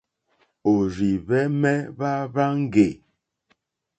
Òrzìhwɛ̀mɛ́́ hwá hwáŋɡè.